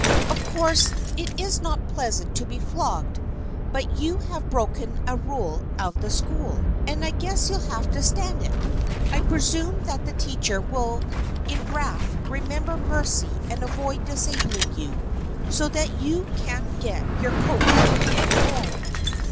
Of course it is not pleasant to be flogged, but you have broken a rule of the school, and I guess you'll have to stand it. I presume that the teacher will in wrath remember mercy and avoid disabling you, so that you can't get your coat on any more."